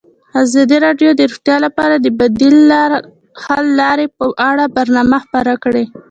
ازادي راډیو د روغتیا لپاره د بدیل حل لارې په اړه برنامه خپاره کړې.